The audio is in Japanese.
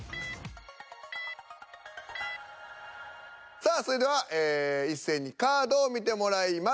さあそれでは一斉にカードを見てもらいます。